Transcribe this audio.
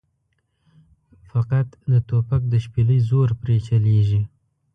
فقط د توپک د شپېلۍ زور پرې چلېږي.